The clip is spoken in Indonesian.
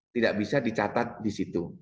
tidak bisa dicatat di situ